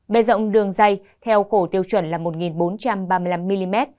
bề rộng đường dây theo khổ tiêu chuẩn là một bốn trăm ba mươi năm mm